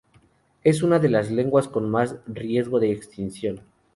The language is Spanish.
Es una de las lenguas con más riesgo de extinción.